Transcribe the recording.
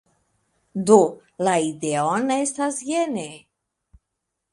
Do, la ideon estas jene: